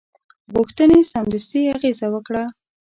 غوښتنې سمدستي اغېزه وکړه.